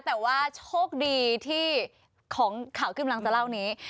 แต่ว่าโชคดีที่ของข่าวที่กำลังจะเล่านี้